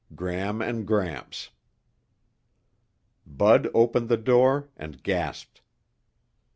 Gram and Gramps_ Bud opened the door and gasped.